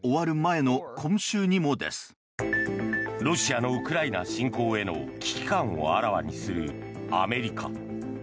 ロシアのウクライナ侵攻への危機感をあらわにするアメリカ。